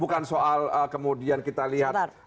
bukan soal kemudian kita lihat